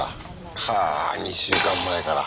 かあ２週間前から。